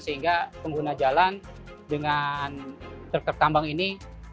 sehingga pengguna jalan dengan truk tambang ini